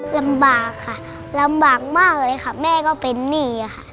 ลำบากค่ะลำบากมากเลยค่ะแม่ก็เป็นหนี้ค่ะ